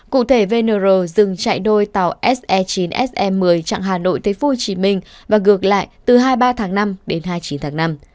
cụ thể venero dừng chạy đôi tàu se chín se một mươi chặng hà nội tới phú trí minh và gược lại từ hai mươi ba tháng năm đến hai mươi chín tháng năm